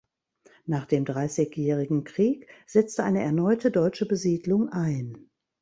Nach dem Dreißigjährigen Krieg setzte eine erneute deutsche Besiedlung ein.